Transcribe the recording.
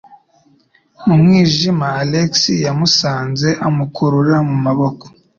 Mu mwijima, Alex yamusanze amukurura mu maboko.